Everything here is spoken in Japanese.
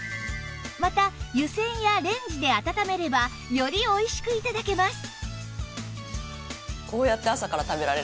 また湯せんやレンジで温めればよりおいしく頂けます